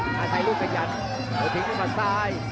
อาจจะใช้ลูกขังยันต์แล้วทิ้งมาซ้าย